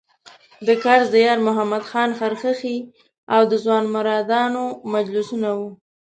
د کرز د یارمحمد خان خرخښې او د ځوانمردانو مجلسونه وو.